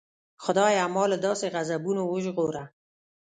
خدایه ما له داسې غضبونو وژغوره.